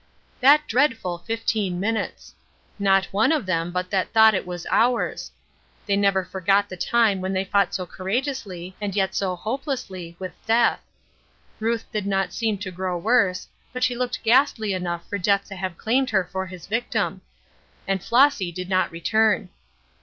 That dreadful fifteen minutes! Not one of them but that thought it was hours. They never forgot the time when they fought so courageously, and yet so hopelessly, with death. Ruth did not seem to grow worse, but she looked ghastly enough for death to have claimed her for his victim; and Flossy did not return.